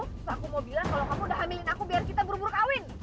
terus aku mau bilang kalau kamu udah hamilin aku biar kita buru buru kawin